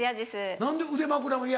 何で腕枕も嫌？